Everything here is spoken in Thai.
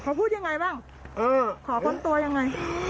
เขาพูดอย่างไรบ้างขอพร้อมตัวยังไง